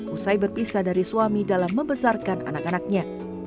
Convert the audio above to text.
usai berpisah dari suami dalam membesarkan anak anaknya